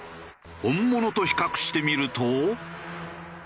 本物と比較してみると。